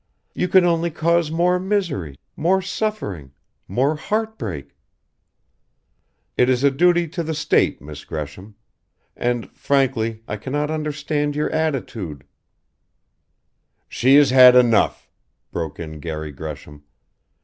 You can only cause more misery, more suffering, more heartbreak " "It is a duty to the State, Miss Gresham. And, frankly, I cannot understand your attitude " "She has had enough " broke in Garry Gresham.